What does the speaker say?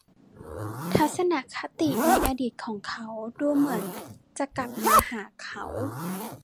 ทัศนคติในอดีตของเขาดูเหมือนจะกลับมาหาเขา